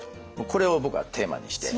これを僕はテーマにして。